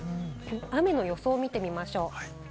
雨の予想を見てみましょう。